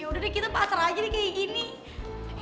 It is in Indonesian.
yaudah deh kita pasrah aja deh kayak gini